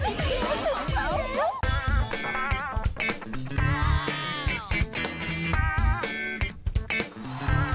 พระเอกน้องใหม่ใส่กรึ๊บตัวสูงใหญ่ไหวที่ศึกต้นขวัญใจแฟนคลับ